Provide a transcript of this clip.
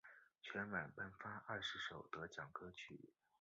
全晚颁发二十首得奖歌曲。